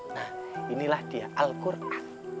nah inilah dia alquran